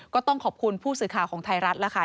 ก็ต้องขอบคุณผู้สื่อข่าวของไทยรัฐแล้วค่ะ